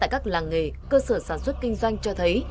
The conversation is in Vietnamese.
tại các làng nghề cơ sở sản xuất kinh doanh cho thấy